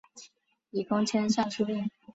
以功迁尚书令。